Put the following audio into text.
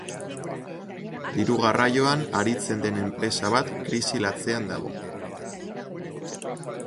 Diru garraioan aritzen den enpresa bat krisi latzean dago.